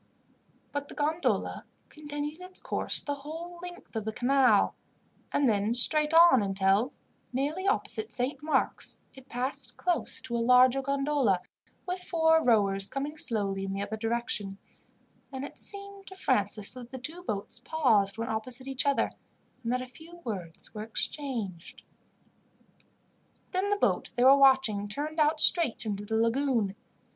But the gondola continued its course the whole length of the canal, and then straight on until, nearly opposite Saint Mark's, it passed close to a larger gondola, with four rowers, coming slowly in the other direction; and it seemed to Francis that the two boats paused when opposite each other, and that a few words were exchanged. Then the boat they were watching turned out straight into the lagoon.